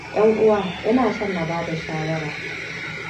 Ƴan uwa, ina son na bada shawara.